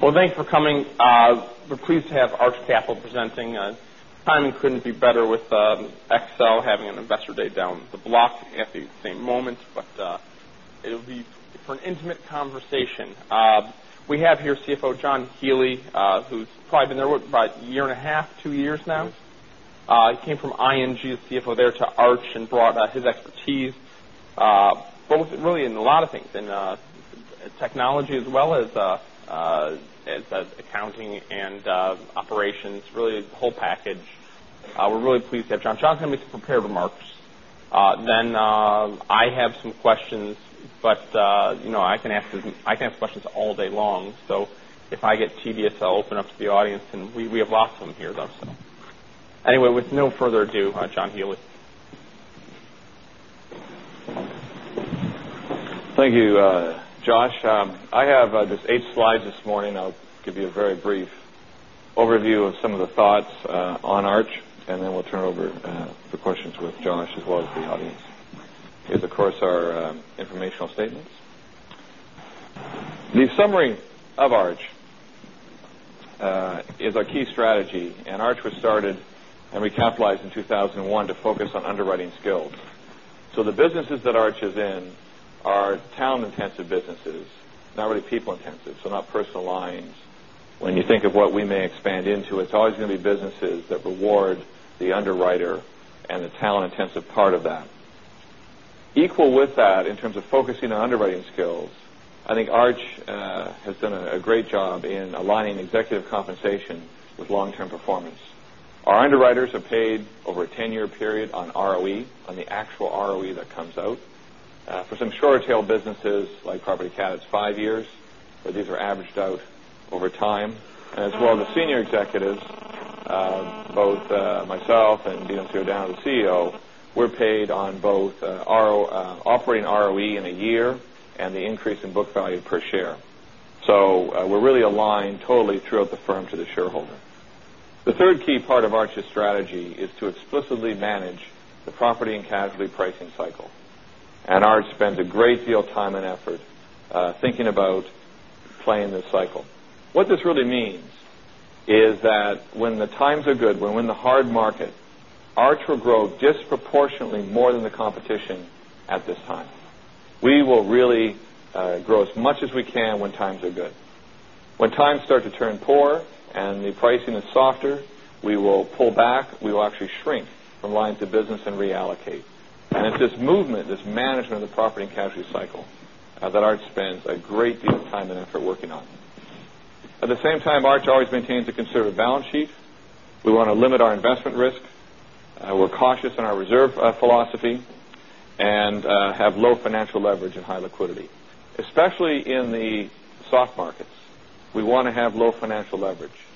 Well, thanks for coming. We're pleased to have Arch Capital presenting. Timing couldn't be better with Aspen having an investor day down the block at the same moment, but it'll be for an intimate conversation. We have here CFO John Hele, who's probably been there about a year and a half, two years now. Yes. He came from ING as CFO there to Arch and brought his expertise, both really in a lot of things, in technology as well as accounting and operations, really the whole package. We're really pleased to have John. John's going to make some prepared remarks. I have some questions, I can ask questions all day long, if I get tedious, I'll open up to the audience, we have lots of them here though. Anyway, with no further ado, John Hele. Thank you, Josh. I have just eight slides this morning. I'll give you a very brief overview of some of the thoughts on Arch, we'll turn over the questions with Josh as well as the audience. Here's, of course, our informational statements. The summary of Arch is our key strategy, Arch was started and recapitalized in 2001 to focus on underwriting skills. The businesses that Arch is in are talent-intensive businesses, not really people-intensive, not personal lines. When you think of what we may expand into, it's always going to be businesses that reward the underwriter and the talent-intensive part of that. Equal with that, in terms of focusing on underwriting skills, I think Arch has done a great job in aligning executive compensation with long-term performance. Our underwriters are paid over a 10-year period on ROE, on the actual ROE that comes out. For some shorter tail businesses like property cat, it's five years, these are averaged out over time. As well, the senior executives, both myself and Dinos Iordanou, the CEO, we're paid on both operating ROE in a year and the increase in book value per share. We're really aligned totally throughout the firm to the shareholder. The third key part of Arch's strategy is to explicitly manage the property and casualty pricing cycle. Arch spends a great deal of time and effort thinking about playing this cycle. What this really means is that when the times are good, we're in the hard market, Arch will grow disproportionately more than the competition at this time. We will really grow as much as we can when times are good. When times start to turn poor and the pricing is softer, we will pull back. We will actually shrink from lines of business and reallocate. It's this movement, this management of the Property and Casualty cycle that Arch spends a great deal of time and effort working on. At the same time, Arch always maintains a conservative balance sheet. We want to limit our investment risk. We're cautious in our reserve philosophy and have low financial leverage and high liquidity. Especially in the soft markets, we want to have low financial leverage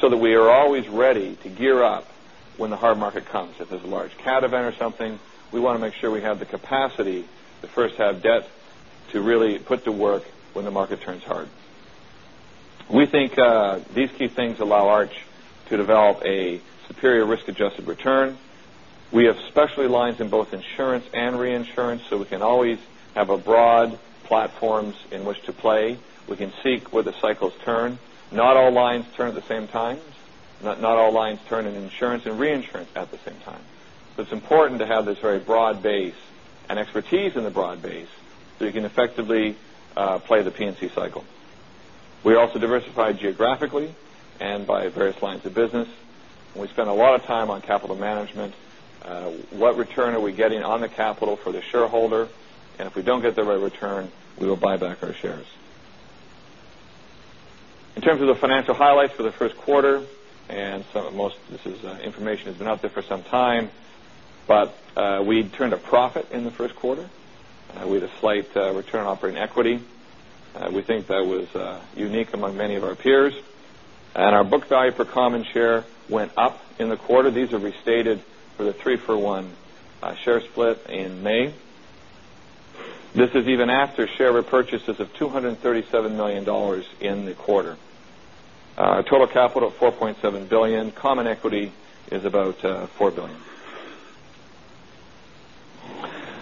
so that we are always ready to gear up when the hard market comes. If there's a large cat event or something, we want to make sure we have the capacity to first have debt to really put to work when the market turns hard. We think these key things allow Arch to develop a superior risk-adjusted return. We have specialty lines in both insurance and reinsurance, so we can always have broad platforms in which to play. We can seek where the cycles turn. Not all lines turn at the same times. Not all lines turn in insurance and reinsurance at the same time. It's important to have this very broad base and expertise in the broad base so you can effectively play the P&C cycle. We also diversify geographically and by various lines of business. We spend a lot of time on capital management. What return are we getting on the capital for the shareholder? If we don't get the right return, we will buy back our shares. In terms of the financial highlights for the first quarter, and most of this information has been out there for some time, but we turned a profit in the first quarter. We had a slight return on operating equity. We think that was unique among many of our peers. Our book value per common share went up in the quarter. These are restated for the three-for-one share split in May. This is even after share repurchases of $237 million in the quarter. Total capital of $4.7 billion. Common equity is about $4 billion.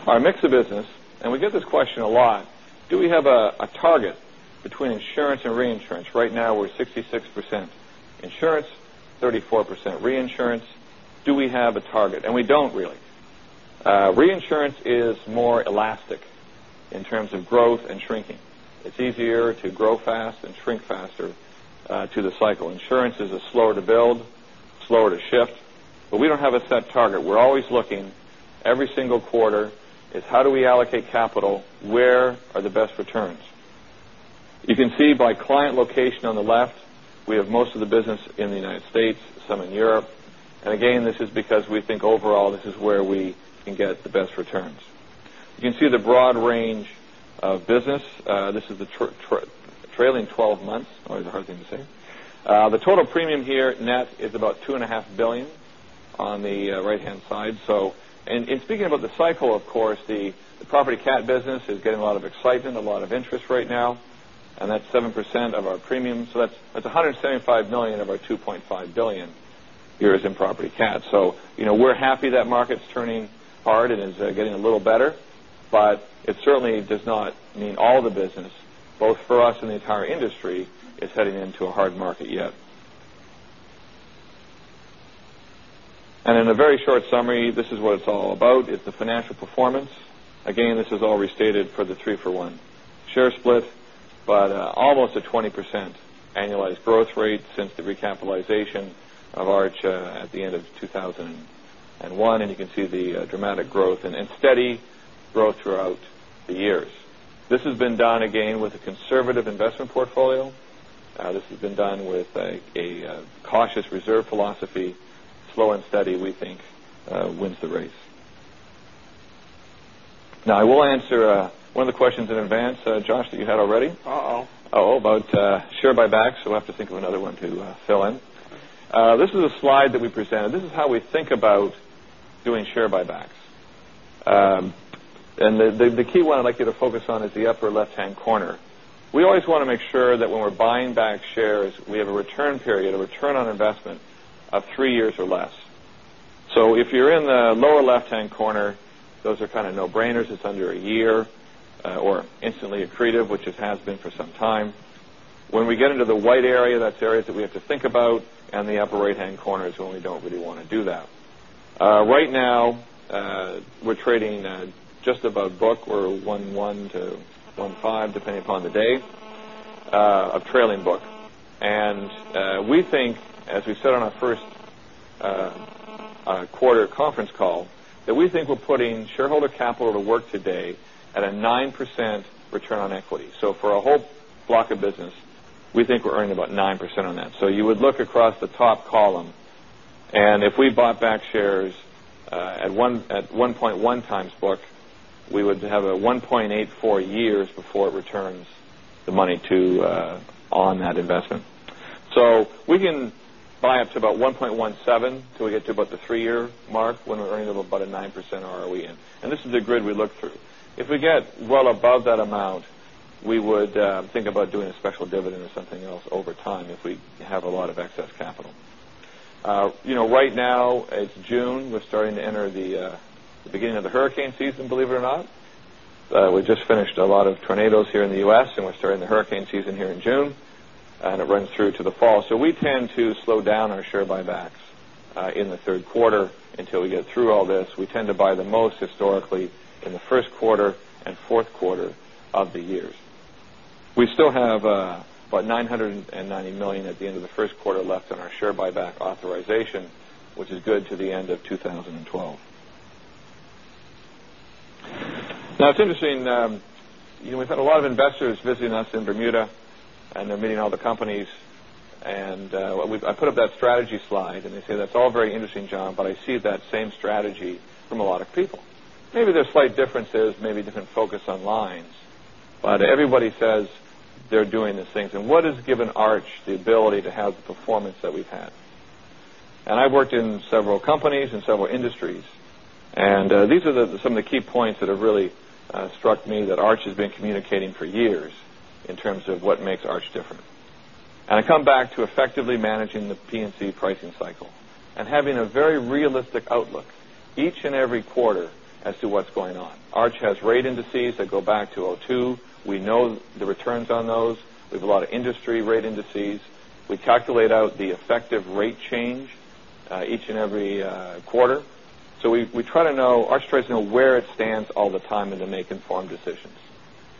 Our mix of business, and we get this question a lot. Do we have a target between insurance and reinsurance? Right now, we're 66% insurance, 34% reinsurance. Do we have a target? We don't, really. Reinsurance is more elastic in terms of growth and shrinking. It's easier to grow fast and shrink faster to the cycle. Insurance is slower to build, slower to shift, but we don't have a set target. We're always looking every single quarter is how do we allocate capital, where are the best returns. You can see by client location on the left, we have most of the business in the U.S., some in Europe. Again, this is because we think overall, this is where we can get the best returns. You can see the broad range of business. This is the trailing 12 months. Always a hard thing to say. The total premium here net is about $2.5 billion on the right-hand side. Speaking about the cycle, of course, the property cat business is getting a lot of excitement, a lot of interest right now, and that's 7% of our premium. So that's $175 million of our $2.5 billion. Years in property cat. We're happy that market's turning hard and is getting a little better, but it certainly does not mean all the business, both for us and the entire industry, is heading into a hard market yet. In a very short summary, this is what it's all about. It's the financial performance. Again, this is all restated for the three-for-one share split, but almost a 20% annualized growth rate since the recapitalization of Arch at the end of 2001. You can see the dramatic growth and steady growth throughout the years. This has been done, again, with a conservative investment portfolio. This has been done with a cautious reserve philosophy. Slow and steady, we think, wins the race. I will answer one of the questions in advance, Josh, that you had already. Uh-oh. About share buybacks, we'll have to think of another one to fill in. This is a slide that we presented. This is how we think about doing share buybacks. The key one I'd like you to focus on is the upper left-hand corner. We always want to make sure that when we're buying back shares, we have a return period, a return on investment of three years or less. If you're in the lower left-hand corner, those are kind of no-brainers. It's under a year, or instantly accretive, which it has been for some time. When we get into the white area, that's the areas that we have to think about, the upper right-hand corner is when we don't really want to do that. Right now, we're trading just above book. We're 1.1 to 1.5, depending upon the day, of trailing book. We think, as we said on our first quarter conference call, that we think we're putting shareholder capital to work today at a 9% return on equity. For a whole block of business, we think we're earning about 9% on that. You would look across the top column, if we bought back shares at 1.1x book, we would have a 1.84 years before it returns the money on that investment. We can buy up to about 1.17 till we get to about the three-year mark when we're earning about a 9% ROE in. This is the grid we look through. If we get well above that amount, we would think about doing a special dividend or something else over time if we have a lot of excess capital. Right now, it's June. We're starting to enter the beginning of the hurricane season, believe it or not. We just finished a lot of tornadoes here in the U.S., we're starting the hurricane season here in June, it runs through to the fall. We tend to slow down our share buybacks in the third quarter until we get through all this. We tend to buy the most historically in the first quarter and fourth quarter of the years. We still have about $990 million at the end of the first quarter left on our share buyback authorization, which is good to the end of 2012. It's interesting. We've had a lot of investors visiting us in Bermuda, they're meeting all the companies. I put up that strategy slide, and they say, "That's all very interesting, John, but I see that same strategy from a lot of people." Maybe there's slight differences, maybe different focus on lines, but everybody says they're doing these things. What has given Arch the ability to have the performance that we've had? I've worked in several companies and several industries, and these are some of the key points that have really struck me that Arch has been communicating for years in terms of what makes Arch different. I come back to effectively managing the P&C pricing cycle and having a very realistic outlook each and every quarter as to what's going on. Arch has rate indices that go back to 2002. We know the returns on those. We have a lot of industry rate indices. We calculate out the effective rate change each and every quarter. We try to know, Arch tries to know where it stands all the time and to make informed decisions.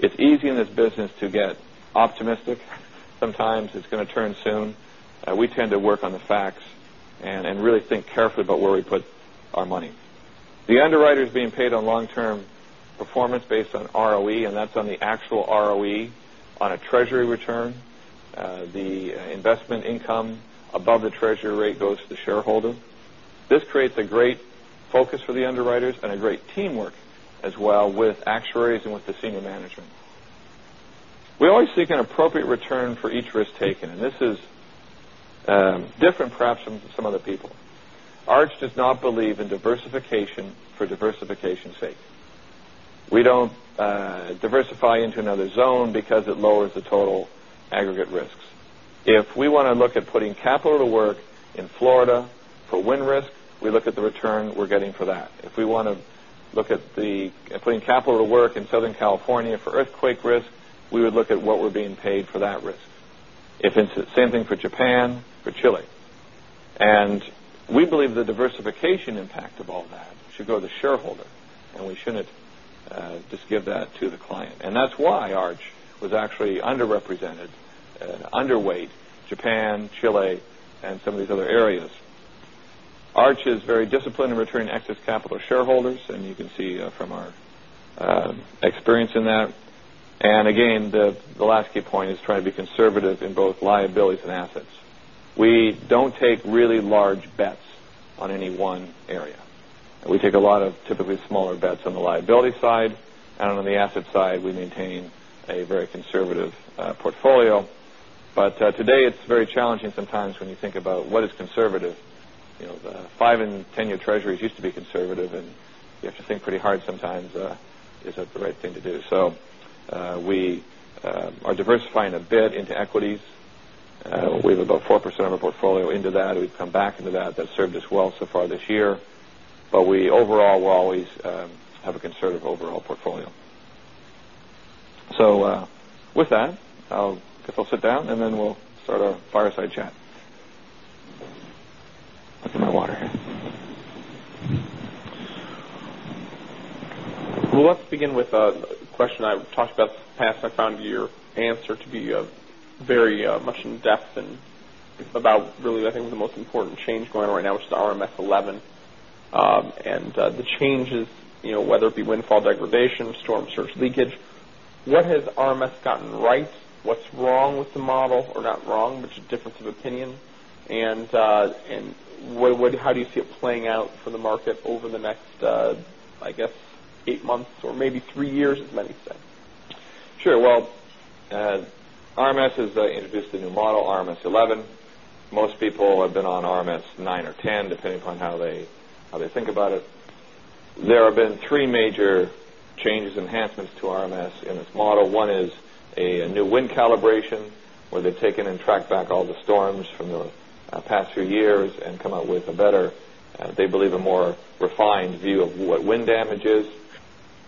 It's easy in this business to get optimistic. Sometimes it's going to turn soon. We tend to work on the facts and really think carefully about where we put our money. The underwriters being paid on long-term performance based on ROE, and that's on the actual ROE on a treasury return. The investment income above the treasury rate goes to the shareholder. This creates a great focus for the underwriters and a great teamwork as well with actuaries and with the senior management. We always seek an appropriate return for each risk taken, and this is different perhaps from some other people. Arch does not believe in diversification for diversification's sake. We don't diversify into another zone because it lowers the total aggregate risks. If we want to look at putting capital to work in Florida for wind risk, we look at the return we're getting for that. If we want to look at putting capital to work in Southern California for earthquake risk, we would look at what we're being paid for that risk. Same thing for Japan, for Chile. We believe the diversification impact of all that should go to shareholder, and we shouldn't just give that to the client. That's why Arch was actually underrepresented, underweight Japan, Chile, and some of these other areas. Arch is very disciplined in returning excess capital to shareholders, and you can see from our experience in that. Again, the last key point is trying to be conservative in both liabilities and assets. We don't take really large bets on any one area. We take a lot of typically smaller bets on the liability side, and on the asset side, we maintain a very conservative portfolio. Today, it's very challenging sometimes when you think about what is conservative. The five and 10-year treasuries used to be conservative, and you have to think pretty hard sometimes, is that the right thing to do? We are diversifying a bit into equities. We have about 4% of our portfolio into that. We've come back into that. That served us well so far this year. Overall, we'll always have a conservative overall portfolio. With that, I guess I'll sit down and then we'll start our fireside chat. Look at my water here. Well, let's begin with a question I've talked about in the past. I found your answer to be very much in-depth and about really, I think, the most important change going on right now, which is the RMS 11. The changes, whether it be wind field degradation or storm surge leakage, what has RMS gotten right? What's wrong with the model, or not wrong, but just difference of opinion, and how do you see it playing out for the market over the next, I guess, eight months or maybe three years, as many say? Sure. Well, RMS has introduced a new model, RMS 11. Most people have been on RMS 9 or 10, depending upon how they think about it. There have been three major changes, enhancements to RMS in its model. One is a new wind calibration, where they've taken and tracked back all the storms from the past few years and come up with a better, they believe, a more refined view of what wind damage is.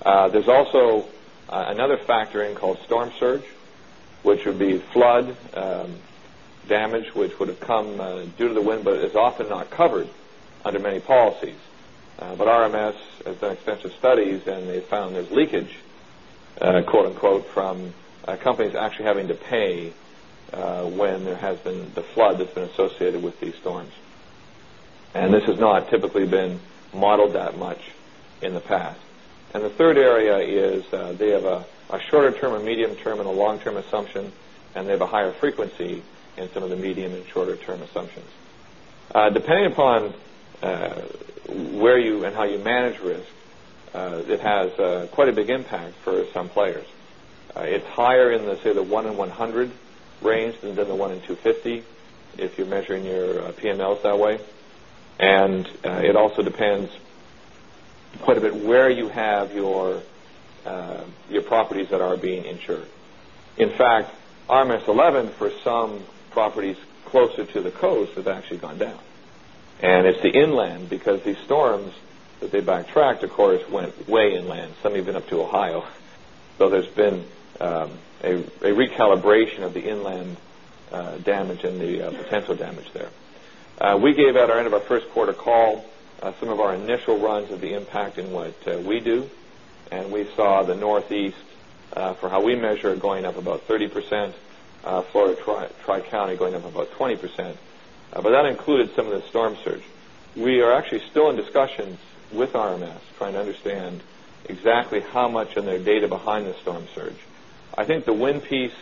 There's also another factor in called storm surge, which would be flood damage, which would have come due to the wind, but is often not covered under many policies. RMS has done extensive studies, and they found there's "leakage," from companies actually having to pay when there has been the flood that's been associated with these storms. This has not typically been modeled that much in the past. The third area is they have a shorter-term, a medium-term, and a long-term assumption, and they have a higher frequency in some of the medium and shorter-term assumptions. Depending upon where you and how you manage risk, it has quite a big impact for some players. It's higher in, say, the one-in-100 range than the one-in-250 if you're measuring your P&Ls that way. It also depends quite a bit where you have your properties that are being insured. In fact, RMS 11, for some properties closer to the coast, has actually gone down. It's the inland because these storms that they backtracked, of course, went way inland, some even up to Ohio. There's been a recalibration of the inland damage and the potential damage there. We gave out our end of our first quarter call, some of our initial runs of the impact in what we do, and we saw the Northeast for how we measure it going up about 30%, Florida Tri-County going up about 20%, but that included some of the storm surge. We are actually still in discussions with RMS, trying to understand exactly how much in their data behind the storm surge. I think the wind piece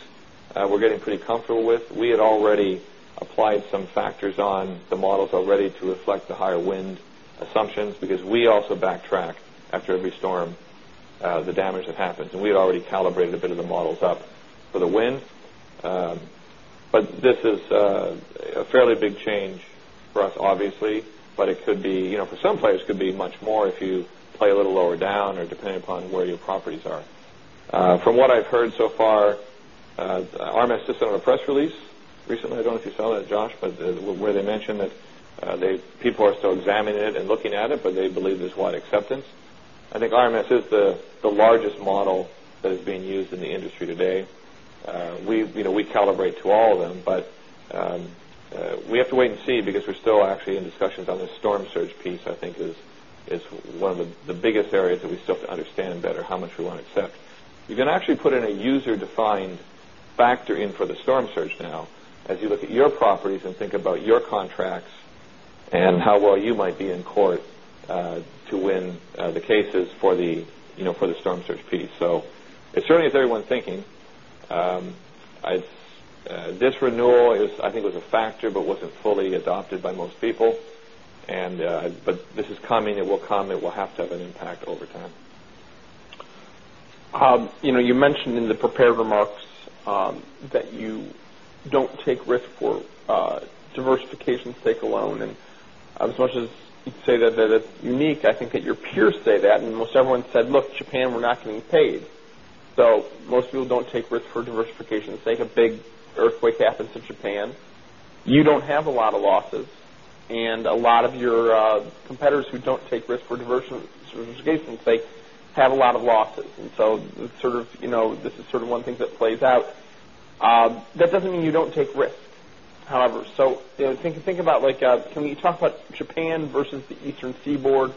we're getting pretty comfortable with. We had already applied some factors on the models already to reflect the higher wind assumptions because we also backtrack after every storm the damage that happens. We had already calibrated a bit of the models up for the wind. This is a fairly big change for us, obviously. It could be, for some players, much more if you play a little lower down or depending upon where your properties are. From what I've heard so far, RMS just sent a press release recently. I don't know if you saw that, Josh, but where they mentioned that people are still examining it and looking at it, but they believe there's wide acceptance. RMS is the largest model that is being used in the industry today. We calibrate to all of them, but we have to wait and see because we're still actually in discussions on this storm surge piece, I think is one of the biggest areas that we still have to understand better how much we want to accept. You can actually put in a user-defined factor in for the storm surge now as you look at your properties and think about your contracts and how well you might be in court to win the cases for the storm surge piece. It certainly is everyone's thinking. This renewal, I think, was a factor but wasn't fully adopted by most people. This is coming. It will come. It will have to have an impact over time. You mentioned in the prepared remarks that you don't take risk for diversification sake alone. As much as you'd say that it's unique, I think that your peers say that. Most everyone said, "Look, Japan, we're not getting paid." Most people don't take risk for diversification sake. A big earthquake happens in Japan, you don't have a lot of losses, and a lot of your competitors who don't take risk for diversification sake have a lot of losses. This is sort of one thing that plays out. That doesn't mean you don't take risks, however. Can you talk about Japan versus the Eastern Seaboard?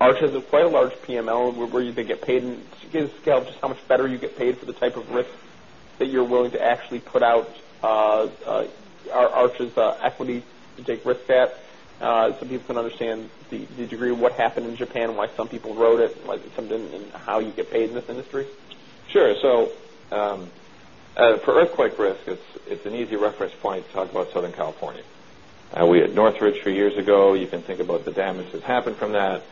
Arch has a quite a large PML, where you can get paid. Can you give us a scale of just how much better you get paid for the type of risk that you're willing to actually put out Arch's equity to take risk at, so people can understand the degree of what happened in Japan and why some people wrote it, and how you get paid in this industry? Sure. For earthquake risk, it's an easy reference point to talk about Southern California. We had Northridge three years ago. You can think about the damage that's happened from that.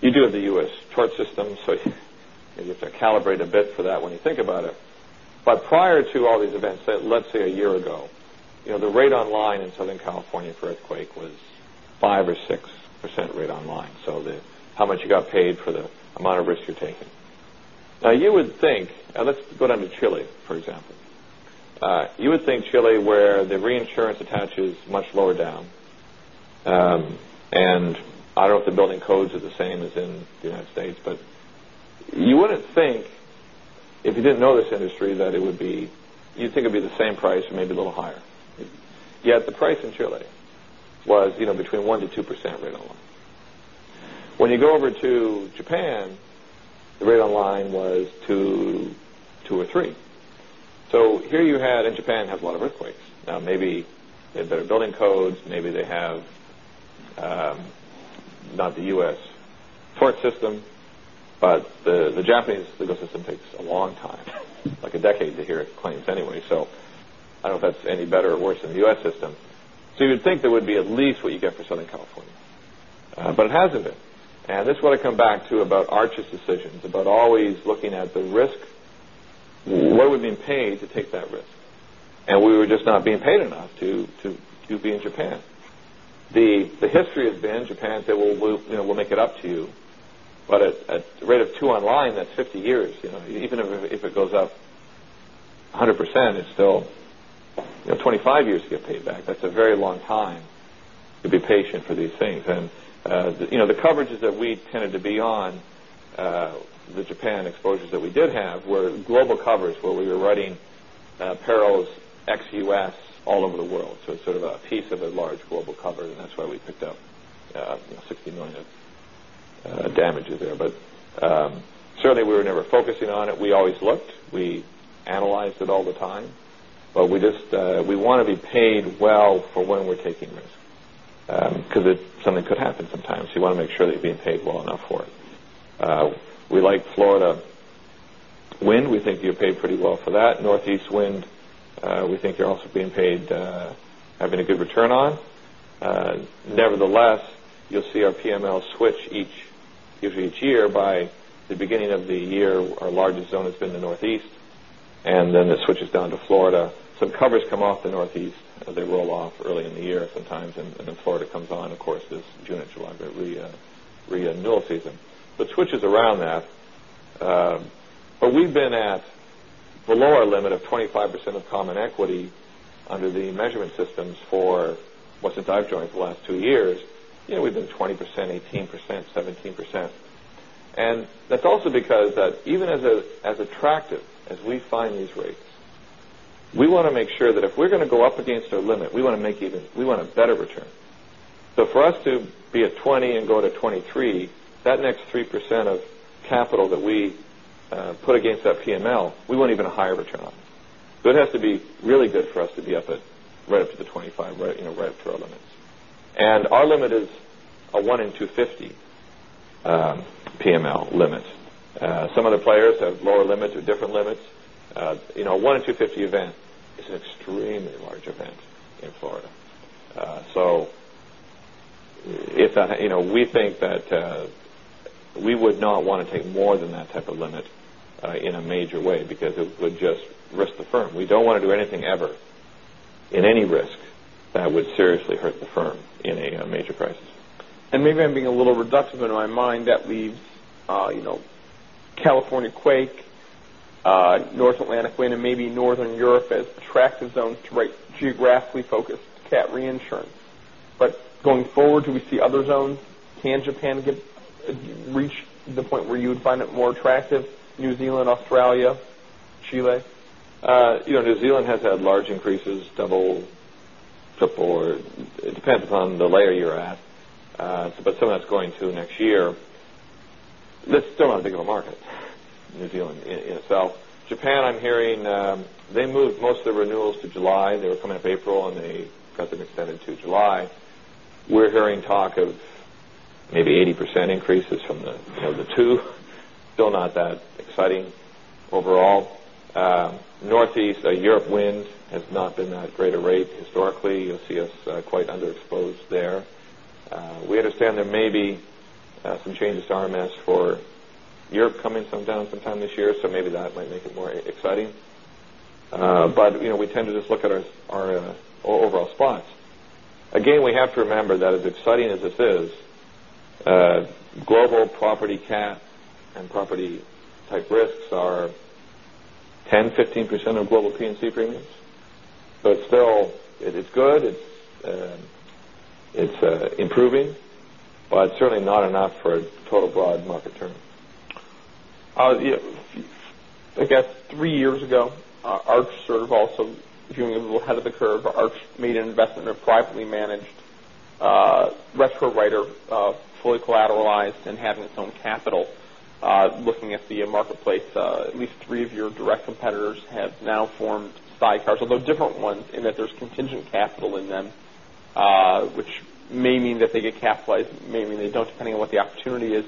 You do have the U.S. tort system, so you have to calibrate a bit for that when you think about it. Prior to all these events, let's say a year ago, the rate on line in Southern California for earthquake was 5% or 6% rate on line. How much you got paid for the amount of risk you're taking. Let's go down to Chile, for example. You would think Chile, where the reinsurance attachment is much lower down, and I don't know if the building codes are the same as in the U.S., but you wouldn't think, if you didn't know this industry, you'd think it'd be the same price or maybe a little higher. The price in Chile was between 1%-2% rate on line. You go over to Japan, the rate on line was two or three. Japan has a lot of earthquakes. Maybe they have better building codes, maybe they have not the U.S. tort system, but the Japanese legal system takes a long time, like a decade, to hear claims anyway. I don't know if that's any better or worse than the U.S. system. You would think there would be at least what you get for Southern California. It hasn't been. This is what I come back to about Arch's decisions, about always looking at the risk. What are we being paid to take that risk? We were just not being paid enough to be in Japan. The history has been, Japan said, "We'll make it up to you." At a rate of two on line, that's 50 years. Even if it goes up 100%, it's still 25 years to get paid back. That's a very long time to be patient for these things. The coverages that we tended to be on, the Japan exposures that we did have, were global covers, where we were writing perils ex-U.S. all over the world. It's sort of a piece of a large global cover, and that's why we picked up $60 million of damages there. Certainly we were never focusing on it. We always looked, we analyzed it all the time. We want to be paid well for when we're taking risks. Something could happen sometimes. You want to make sure that you're being paid well enough for it. We like Florida wind. We think you're paid pretty well for that. Northeast wind, we think you're also being paid, having a good return on. You'll see our PML switch usually each year by the beginning of the year. Our largest zone has been the Northeast, and then it switches down to Florida. Some covers come off the Northeast. They roll off early in the year sometimes, and then Florida comes on, of course, this June and July, the renewal season. It switches around that. We've been at below our limit of 25% of common equity under the measurement systems for, once it dived down the last two years, we've been 20%, 18%, 17%. That's also because that even as attractive as we find these rates, we want to make sure that if we're going to go up against a limit we want a better return. For us to be at 20 and go to 23, that next 3% of capital that we put against that PML, we want even a higher return on it. It has to be really good for us to be right up to the 25, right up to our limits. Our limit is a one in 250 PML limit. Some of the players have lower limits or different limits. A one in 250 event is an extremely large event in Florida. We think that we would not want to take more than that type of limit in a major way because it would just risk the firm. We don't want to do anything ever in any risk that would seriously hurt the firm in a major crisis. Maybe I'm being a little reductive, but in my mind, that leaves California quake, North Atlantic wind, and maybe Northern Europe as attractive zones to write geographically focused cat reinsurance. Going forward, do we see other zones? Can Japan reach the point where you would find it more attractive? New Zealand, Australia, Chile? New Zealand has had large increases, double, triple. It depends upon the layer you're at. Some of that's going to next year. That's still not a big of a market, New Zealand in itself. Japan, I'm hearing, they moved most of their renewals to July. They were coming up April, and they got them extended to July. We're hearing talk of maybe 80% increases from the two. Still not that exciting overall. Northeast Europe wind has not been at a greater rate historically. You'll see us quite underexposed there. We understand there may be some changes to RMS for Europe coming sometime this year. Maybe that might make it more exciting. We tend to just look at our overall spots. Again, we have to remember that as exciting as this is, global property cat and property type risks are 10%, 15% of global P&C premiums. It's still, it is good. It's improving, but certainly not enough for a total broad market turn. I guess 3 years ago, Arch sort of also, if you want to be a little ahead of the curve, Arch made an investment in a privately managed retro writer, fully collateralized and having its own capital. Looking at the marketplace, at least 3 of your direct competitors have now formed sidecars, although different ones in that there's contingent capital in them, which may mean that they get capitalized, may mean they don't, depending on what the opportunity is.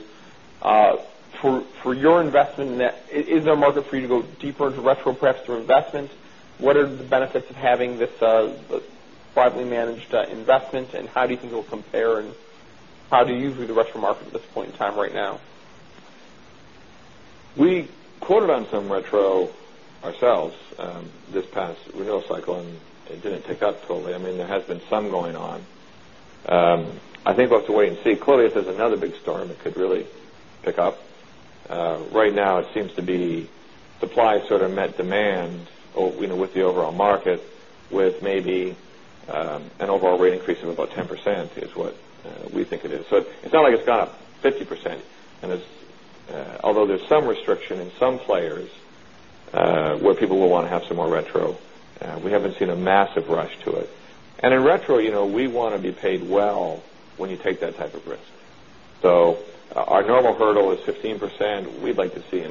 For your investment in that, is there a market for you to go deeper into retro perhaps through investment? What are the benefits of having this privately managed investment, and how do you think it'll compare and how do you view the retro market at this point in time right now? We quoted on some retro ourselves this past renewal cycle, it didn't pick up totally. There has been some going on. I think we'll have to wait and see. Clearly, if there's another big storm, it could really pick up. Right now it seems to be supply sort of met demand with the overall market with maybe an overall rate increase of about 10%, is what we think it is. It's not like it's gone up 50%. There's some restriction in some players where people will want to have some more retro, we haven't seen a massive rush to it. In retro, we want to be paid well when you take that type of risk. Our normal hurdle is 15%. We'd like to see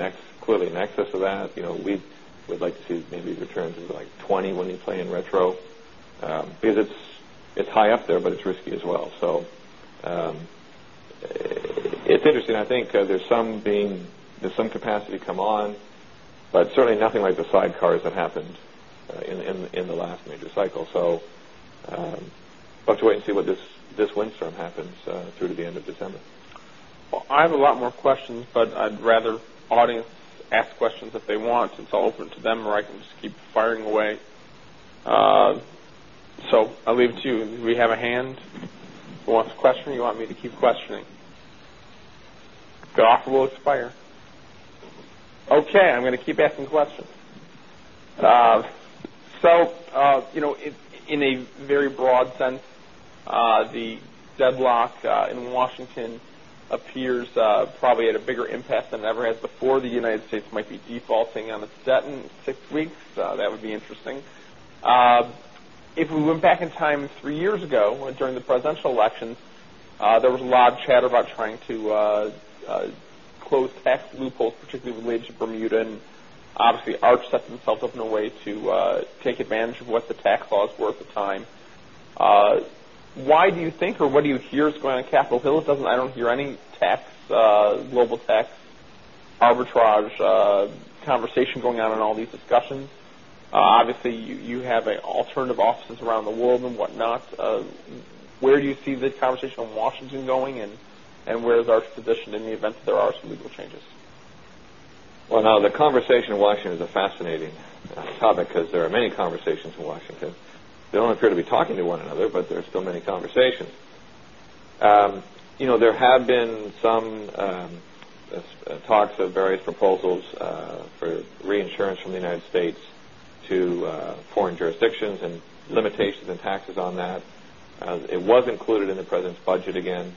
clearly in excess of that. We would like to see maybe returns of like 20% when you play in retro. It's high up there, but it's risky as well. It's interesting. I think there's some capacity to come on, but certainly nothing like the sidecars that happened in the last major cycle. We'll have to wait and see what this windstorm happens through to the end of December. I have a lot more questions, but I'd rather audience ask questions if they want since I'll open to them or I can just keep firing away. I'll leave it to you. Do we have a hand who wants to question or you want me to keep questioning? The offer will expire. I'm going to keep asking questions. In a very broad sense, the deadlock in Washington appears probably at a bigger impasse than it ever has before. The United States might be defaulting on its debt in 6 weeks. That would be interesting. If we went back in time 3 years ago during the presidential elections, there was a lot of chatter about trying to close tax loopholes, particularly related to Bermuda and obviously Arch set themselves up in a way to take advantage of what the tax laws were at the time. Why do you think or what do you hear is going on in Capitol Hill? I don't hear any global tax arbitrage conversation going on in all these discussions. Obviously, you have alternative offices around the world and whatnot. Where do you see this conversation in Washington going and where is our position in the event that there are some legal changes? Well, now the conversation in Washington is a fascinating topic because there are many conversations in Washington. They don't appear to be talking to one another, but there are still many conversations. There have been some talks of various proposals for reinsurance from the United States to foreign jurisdictions and limitations and taxes on that. It was included in the president's budget again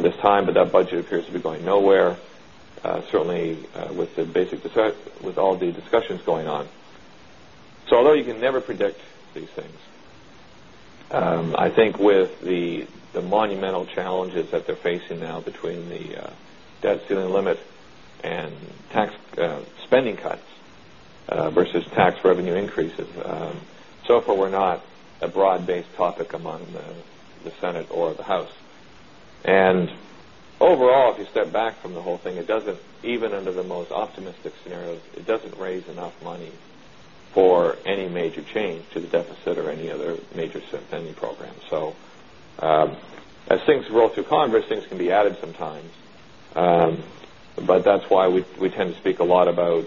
this time, but that budget appears to be going nowhere, certainly with all the discussions going on. So although you can never predict these things, I think with the monumental challenges that they're facing now between the debt ceiling limit and spending cuts versus tax revenue increases. So far we're not a broad based topic among the Senate or the House. Overall, if you step back from the whole thing, even under the most optimistic scenarios, it doesn't raise enough money for any major change to the deficit or any other major spending program. As things roll through Congress, things can be added sometimes. That's why we tend to speak a lot about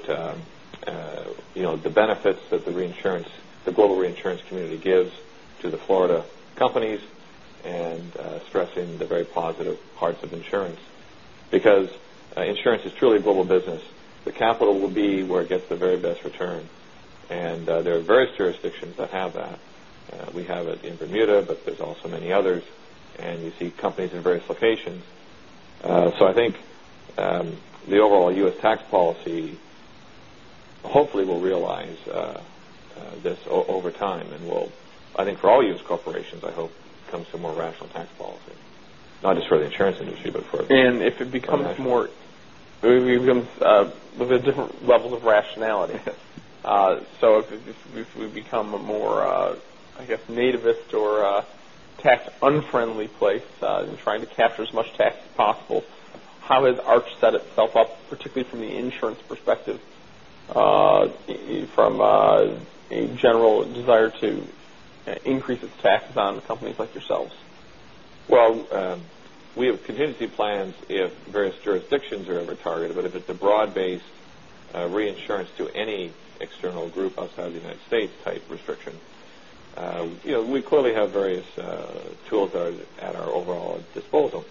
the benefits that the global reinsurance community gives to the Florida companies and stressing the very positive parts of insurance because insurance is truly a global business. The capital will be where it gets the very best return and there are various jurisdictions that have that. We have it in Bermuda, but there's also many others and you see companies in various locations. I think the overall U.S. tax policy hopefully will realize this over time and will, I think for all U.S. corporations, I hope come to some more rational tax policy, not just for the insurance industry but for. If it becomes more of a different level of rationality. Yes. If we become a more, I guess, nativist or tax unfriendly place in trying to capture as much tax as possible, how has Arch set itself up, particularly from the insurance perspective from a general desire to increase its taxes on companies like yourselves? We have contingency plans if various jurisdictions are ever targeted, but if it's a broad-based reinsurance to any external group outside of the U.S. type restriction, we clearly have various tools at our overall disposal.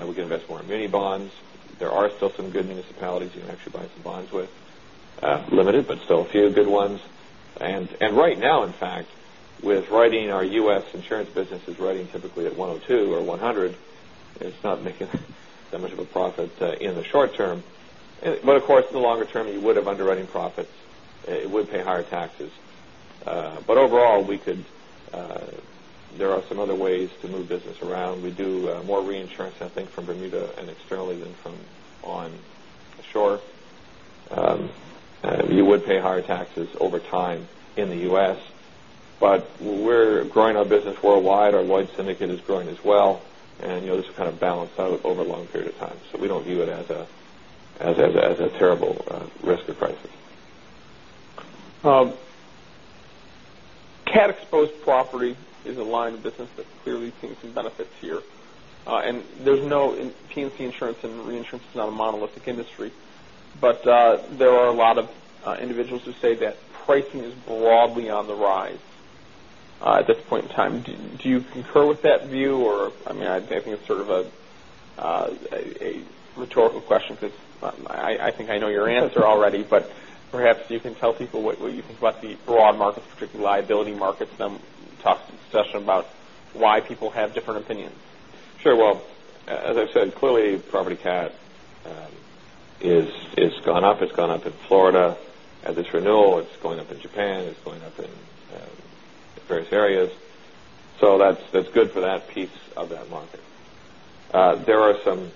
We can invest more in muni bonds. There are still some good municipalities you can actually buy some bonds with. Limited, but still a few good ones. Right now, in fact, with writing our U.S. insurance business is writing typically at 102 or 100, it's not making that much of a profit in the short term. Of course, in the longer term, you would have underwriting profits. It would pay higher taxes. Overall there are some other ways to move business around. We do more reinsurance, I think, from Bermuda and externally than from onshore. You would pay higher taxes over time in the U.S., we're growing our business worldwide. Our Lloyd's syndicate is growing as well. This is kind of balanced out over a long period of time. We don't view it as a terrible risk or crisis. Cat-exposed property is a line of business that clearly seems to benefit here. There's no P&C insurance, reinsurance is not a monolithic industry. There are a lot of individuals who say that pricing is broadly on the rise at this point in time. Do you concur with that view? I think it's sort of a rhetorical question, because I think I know your answer already, but perhaps you can tell people what you think about the broad markets, particularly liability markets, and talk a session about why people have different opinions. Sure. Well, as I've said, clearly, property cat has gone up. It's gone up in Florida at this renewal. It's going up in Japan. It's going up in various areas. That's good for that piece of that market. There are some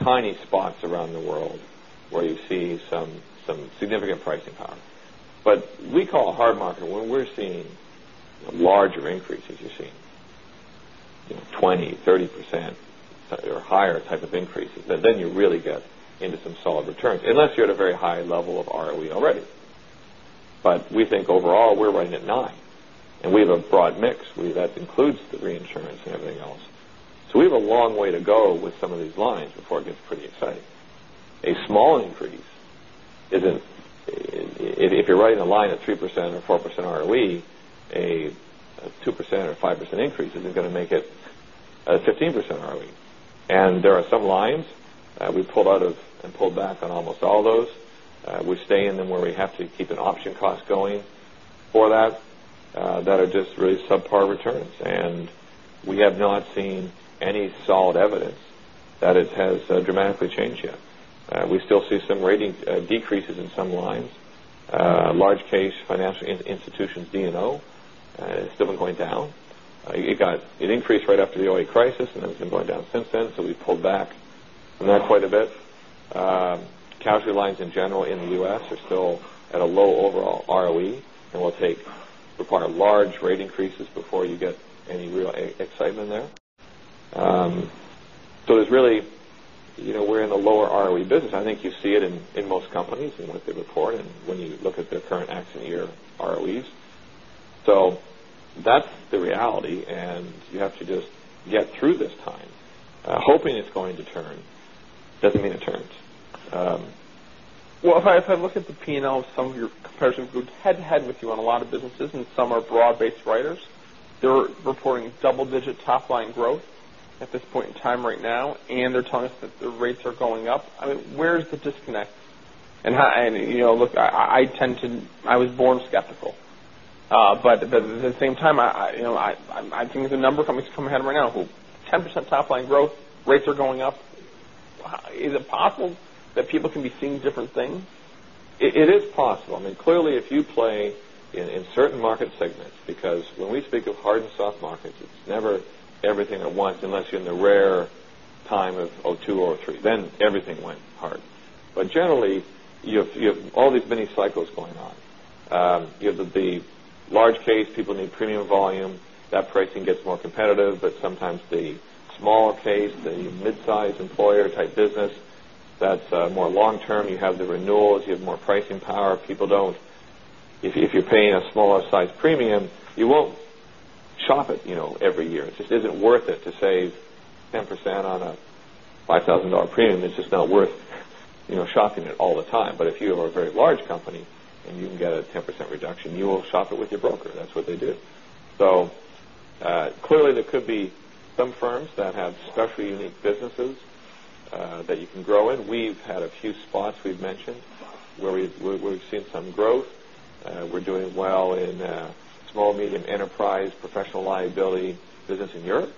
tiny spots around the world where you see some significant pricing power. We call a hard market when we're seeing larger increases. You're seeing 20%, 30% or higher type of increases, then you really get into some solid returns, unless you're at a very high level of ROE already. We think overall, we're running at 9%, and we have a broad mix. That includes the reinsurance and everything else. We have a long way to go with some of these lines before it gets pretty exciting. If you're writing a line at 3% or 4% ROE, a 2% or 5% increase isn't going to make it a 15% ROE. There are some lines we pulled out of and pulled back on almost all those. We stay in them where we have to keep an option cost going for that are just really subpar returns. We have not seen any solid evidence that it has dramatically changed yet. We still see some rating decreases in some lines. Large case financial institutions D&O has still been going down. It increased right after the GFC, then it's been going down since then. We pulled back from that quite a bit. Casualty lines in general in the U.S. are still at a low overall ROE, will require large rate increases before you get any real excitement there. We're in the lower ROE business. I think you see it in most companies and what they report when you look at their current accident year ROEs. That's the reality, you have to just get through this time. Hoping it's going to turn doesn't mean it turns. Well, if I look at the P&L of some of your comparison groups head-to-head with you on a lot of businesses, some are broad-based writers, they're reporting double-digit top-line growth at this point in time right now, they're telling us that the rates are going up. Where's the disconnect? Look, I was born skeptical. At the same time, I think there's a number of companies coming ahead right now who, 10% top-line growth, rates are going up. Is it possible that people can be seeing different things? It is possible. Clearly, if you play in certain market segments, because when we speak of hard and soft markets, it's never everything at once, unless you're in the rare time of 2002 or 2003. Everything went hard. Generally, you have all these mini cycles going on. You have the large case, people need premium volume. That pricing gets more competitive. Sometimes the smaller case, the mid-size employer type business, that's more long-term. You have the renewals. You have more pricing power. If you're paying a smaller size premium, you won't shop it every year. It just isn't worth it to save 10% on a $5,000 premium. It's just not worth shopping it all the time. If you are a very large company and you can get a 10% reduction, you will shop it with your broker. That's what they do. Clearly, there could be some firms that have specially unique businesses that you can grow in. We've had a few spots we've mentioned where we've seen some growth. We're doing well in small, medium enterprise professional liability business in Europe.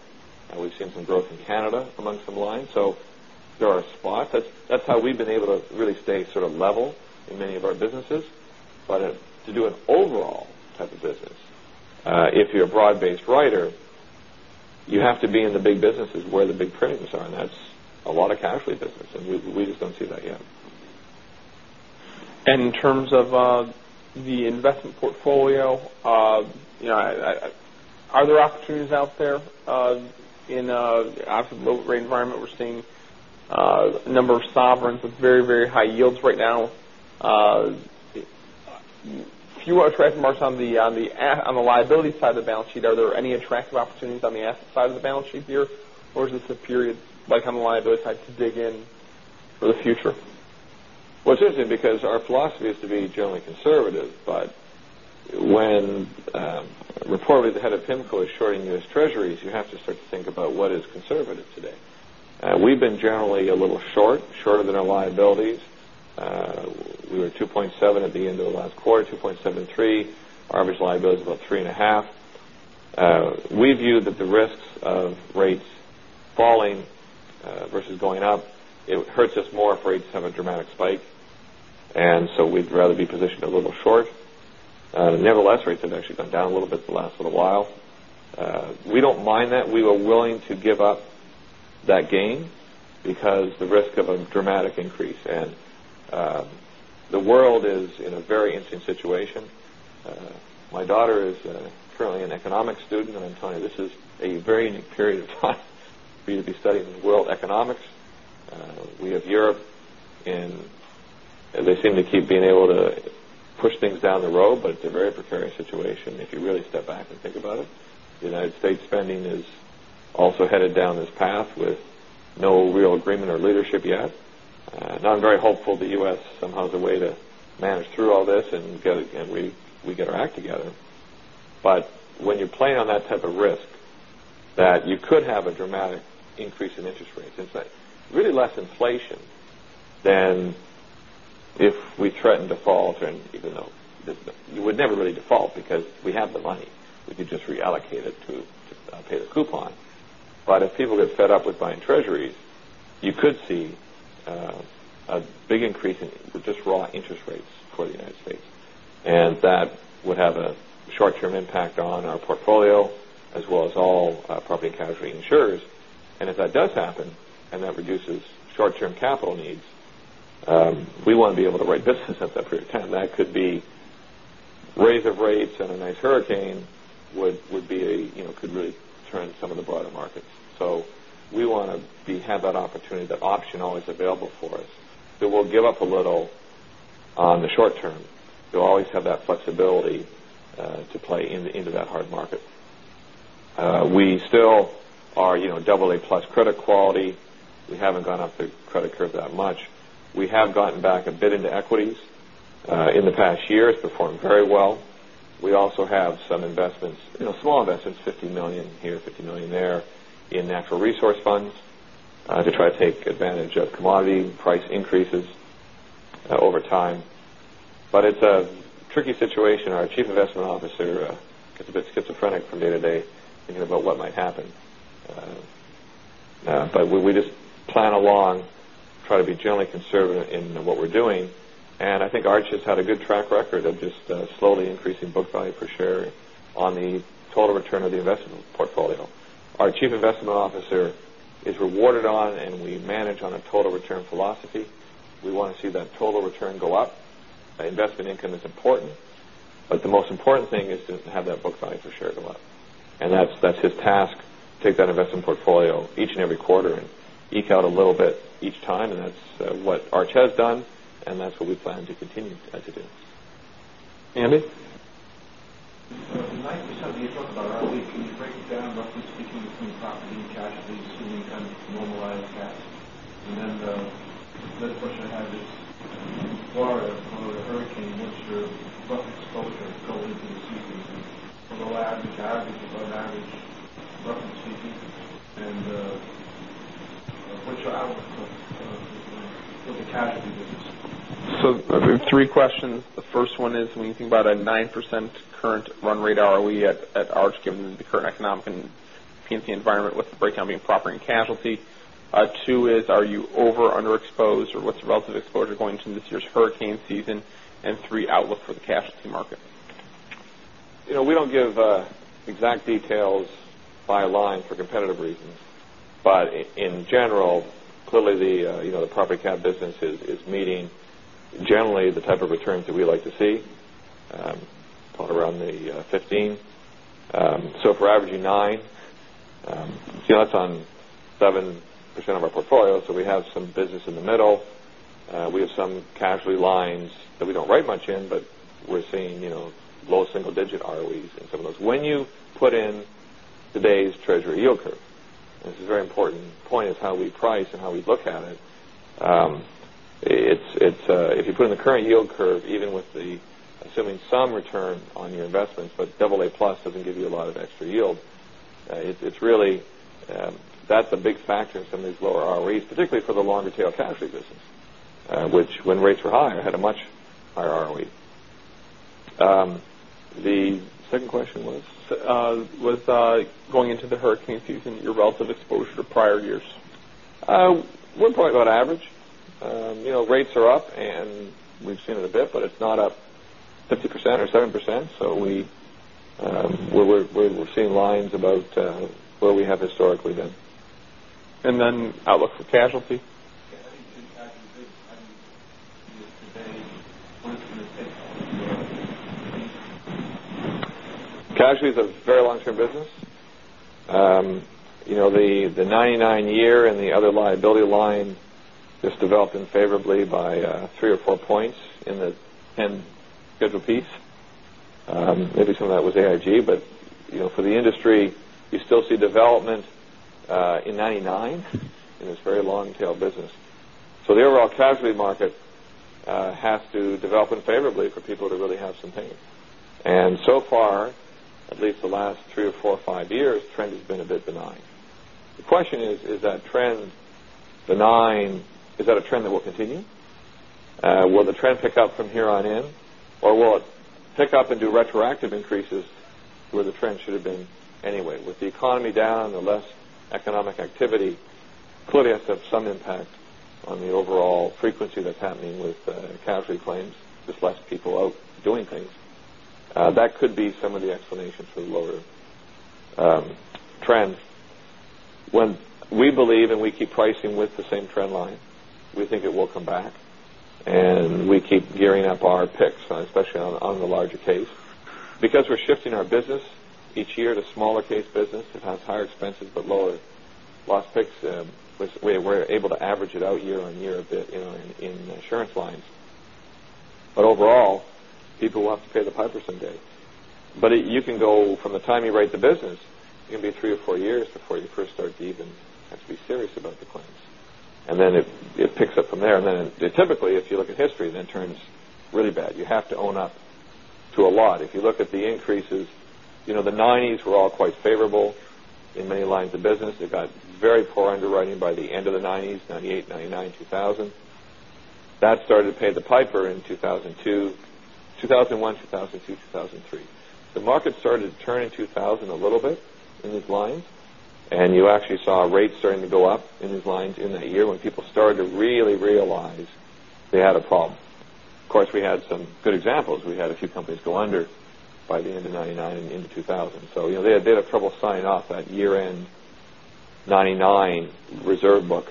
We've seen some growth in Canada among some lines. There are spots. That's how we've been able to really stay sort of level in many of our businesses. To do an overall type of business, if you're a broad-based writer, you have to be in the big businesses where the big premiums are, that's a lot of casualty business, we just don't see that yet. In terms of the investment portfolio, are there opportunities out there in the low rate environment? We're seeing a number of sovereigns with very, very high yields right now. Fewer attractive marks on the liability side of the balance sheet. Are there any attractive opportunities on the asset side of the balance sheet here? Is this a period like on the liability side to dig in for the future? Well, it's interesting because our philosophy is to be generally conservative, but when reportedly the head of PIMCO is shorting U.S. Treasuries, you have to start to think about what is conservative today. We've been generally a little short, shorter than our liabilities. We were 2.7 at the end of the last quarter, 2.73. Our average liability is about three and a half. We view that the risks of rates falling versus going up, it hurts us more if rates have a dramatic spike, so we'd rather be positioned a little short. Nevertheless, rates have actually gone down a little bit the last little while. We don't mind that. We were willing to give up that gain because the risk of a dramatic increase, the world is in a very interesting situation. My daughter is currently an economics student, I'm telling you, this is a very unique period of time for you to be studying world economics. We have Europe and they seem to keep being able to push things down the road, it's a very precarious situation if you really step back and think about it. The United States spending is also headed down this path with no real agreement or leadership yet. Now, I'm very hopeful the U.S. somehow has a way to manage through all this and we get our act together. When you play on that type of risk, that you could have a dramatic increase in interest rates. It's really less inflation than if we threaten default, even though we would never really default because we have the money, we could just reallocate it to pay the coupon. If people get fed up with buying Treasuries, you could see a big increase in just raw interest rates for the United States, and that would have a short-term impact on our portfolio, as well as all Property and Casualty insurers. If that does happen, and that reduces short-term capital needs, we want to be able to write business at that period of time. That could be raise of rates and a nice hurricane could really turn some of the broader markets. So we want to have that opportunity, that option always available for us. So we'll give up a little on the short term. We'll always have that flexibility to play into that hard market. We still are AA plus credit quality. We haven't gone up the credit curve that much. We have gotten back a bit into equities. In the past year, it's performed very well. We also have some investments, small investments, $50 million here, $50 million there, in natural resource funds, to try to take advantage of commodity price increases over time. It's a tricky situation. Our chief investment officer gets a bit schizophrenic from day to day thinking about what might happen. We just plan along, try to be generally conservative in what we're doing, I think Arch has had a good track record of just slowly increasing book value per share on the total return of the investment portfolio. Our chief investment officer is rewarded on, and we manage on, a total return philosophy. We want to see that total return go up. Investment income is important, but the most important thing is to have that book value per share go up. That's his task, take that investment portfolio each and every quarter and eke out a little bit each time, and that's what Arch has done, and that's what we plan to continue to do. Andy? The 9% you talk about, can you break it down, roughly speaking, between property and casualty, assuming kind of normalized cats? The other question I have is, in Florida, for the hurricane, what's your rough exposure going into the season from a low average, above average, roughly speaking? What's your outlook for the casualty business? We have three questions. The first one is when you think about a 9% current run rate ROE at Arch, given the current economic and P&C environment, what's the breakdown between property and casualty? Two is, are you over, under exposed, or what's the relative exposure going into this year's hurricane season? Three, outlook for the casualty market. We don't give exact details by line for competitive reasons. In general, clearly the property cat business is meeting generally the type of returns that we like to see, call it around the 15%. If we're averaging 9%, that's on 7% of our portfolio. We have some business in the middle. We have some casualty lines that we don't write much in, but we're seeing low single digit ROEs in some of those. When you put in today's Treasury yield curve, this is a very important point is how we price and how we look at it. If you put in the current yield curve, even with assuming some return on your investments, but AA plus doesn't give you a lot of extra yield. That's a big factor in some of these lower ROEs, particularly for the longer tail casualty business, which when rates were higher, had a much higher ROE. The second question was? Going into the hurricane season, your relative exposure to prior years. We're probably about average. Rates are up, and we've seen it a bit, but it's not up 50% or 70%, so we're seeing lines about where we have historically been. Outlook for casualty. Yeah, how do you see the casualty business heading into today? What is going to take for- Casualty is a very long-term business. The 1999 year and the other liability line just developing favorably by three or four points in the 10th year of piece. Maybe some of that was AIG, but for the industry, you still see development in 1999 in this very long-tail business. The overall casualty market has to develop unfavorably for people to really have some pain. So far, at least the last three or four or five years, trend has been a bit benign. The question is that a trend that will continue? Will the trend pick up from here on in? Will it pick up and do retroactive increases where the trend should have been anyway? With the economy down, the less economic activity clearly has to have some impact on the overall frequency that's happening with casualty claims. Just less people out doing things. That could be some of the explanations for the lower trends. We believe and we keep pricing with the same trend line. We think it will come back, and we keep gearing up our picks, especially on the larger case. Because we're shifting our business each year to smaller case business, it has higher expenses but lower loss picks. We're able to average it out year-on-year a bit in insurance lines. Overall, people will have to pay the piper someday. You can go from the time you write the business, it can be three or four years before you first start to even have to be serious about the claims. Then it picks up from there. Then typically, if you look at history, then it turns really bad. You have to own up to a lot. If you look at the increases, the 1990s were all quite favorable in many lines of business. It got very poor underwriting by the end of the 1990s, 1998, 1999, 2000. That started to pay the piper in 2001, 2002, 2003. The market started to turn in 2000 a little bit in these lines, and you actually saw rates starting to go up in these lines in that year when people started to really realize they had a problem. Of course, we had some good examples. We had a few companies go under by the end of 1999 and into 2000. They had a bit of trouble signing off that year-end 1999 reserve book.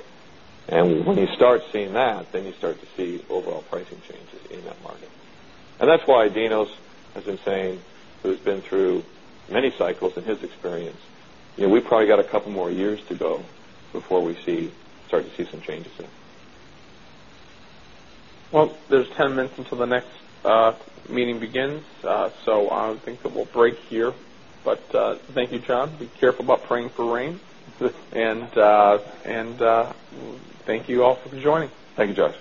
When you start seeing that, then you start to see overall pricing changes in that market. That's why Dinos has been saying, who's been through many cycles in his experience, we've probably got a couple more years to go before we start to see some changes there. Well, there's 10 minutes until the next meeting begins. I think that we'll break here. Thank you, John. Be careful about praying for rain. Thank you all for joining. Thank you, Josh.